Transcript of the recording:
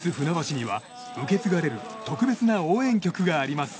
市立船橋には受け継がれる特別な応援曲があります。